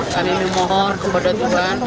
kami berdoa kepada tuhan